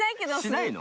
しないの？